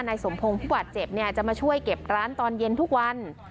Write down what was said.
นายสมพงศ์ผู้บาดเจ็บจะมาช่วยเก็บร้านตอนเย็นทุกวัน